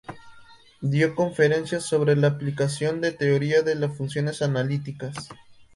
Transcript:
Dio conferencias sobre "La aplicación de la Teoría de las funciones analíticas".